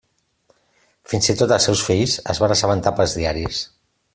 Fins i tot els seus fills es van assabentar pels diaris.